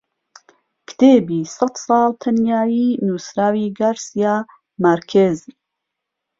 کتێبی سەد ساڵ تەنیایی نووسراوی گارسیا مارکێز